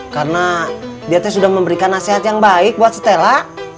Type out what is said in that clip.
karena dia sudah memberikan nasihat yang baik buat stella